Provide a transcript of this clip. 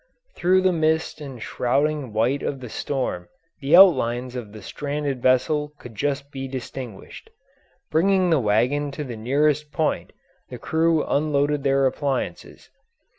Through the mist and shrouding white of the storm the outlines of the stranded vessel could just be distinguished. Bringing the wagon to the nearest point, the crew unloaded their appliances.